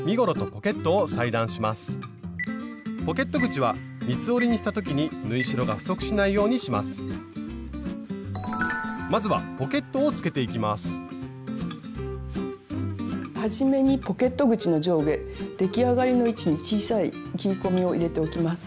ポケット口は三つ折りにした時に縫い代が不足しないようにしますはじめにポケット口の上下出来上がりの位置に小さい切り込みを入れておきます。